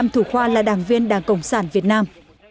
năm thủ khoa là đảng viên đảng cộng sản việt nam